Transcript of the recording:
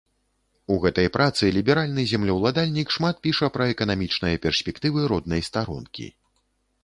У гэтай працы ліберальны землеўладальнік шмат піша пра эканамічныя перспектывы роднай старонкі.